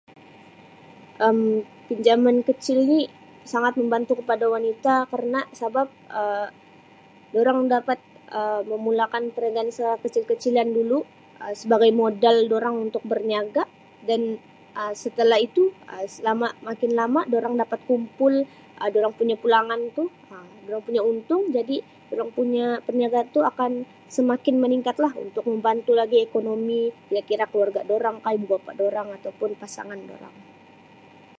Um Pinjaman kecil ni sangat membantu kepada wanita kerana sabab Um dorang dapat Um memulakan perniagaan secara kecil kecilan dulu Um sebagai modal dorang untuk berniaga dan Um setalah itu Um selama makin lama dorang dapat kumpul Um dorang punya pulangan tu Um dorang punya untung jadi dorang punya perniagaan tu akan Um semakin meningkat lah untuk membantu lagi ekonomi tidak kira keluarga dorang kah ibu bapa dorang atau pun pasangan dorang.